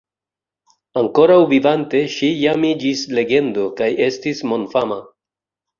Ankoraŭ vivante ŝi jam iĝis legendo kaj estis mondfama.